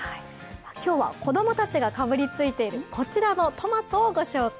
今日は子供たちがかぶりついている、こちらのトマトをご紹介。